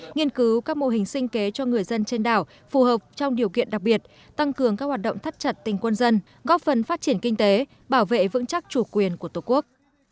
nghiên cứu các mô hình sinh kế cho người dân trên đảo phù hợp trong điều kiện đặc biệt tăng cường các hoạt động thắt chặt tình quân dân góp phần phát triển kinh tế bảo vệ vững chắc chủ quyền của tổ quốc